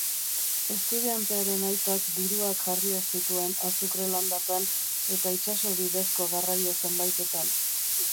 Estudiantearen aitak diruak jarriak zituen azukre landatan eta itsaso bidezko garraio zenbaitetan.